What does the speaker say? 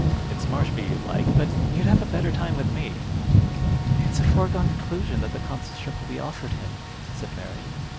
It's Marshby you like, but you'd have a better time with me." "It's a foregone conclusion that the consulship will be offered him," said Mary.